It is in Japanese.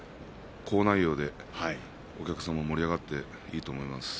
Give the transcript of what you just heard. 好内容でお客さんも盛り上がっていると思います。